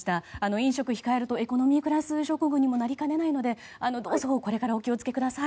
飲食を控えるとエコノミークラス症候群にもなりかねないので、これからどうぞお気を付けください。